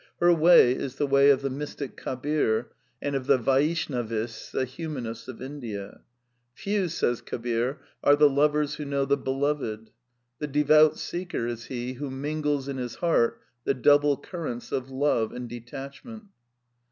Her way is the way 274 A DEFENCE OF IDEALISM of the mystic Eabir^ and of the Vaishnavists, the Human ists of India. " Few," says Kabir, " are the lovers who know the Be ^tf^ loved. The devout seeker is he who mingles in his heari the double currents of love and detachment."